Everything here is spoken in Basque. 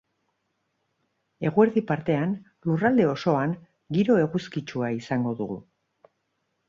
Eguerdi partean lurralde osoan giro eguzkitsua izango dugu.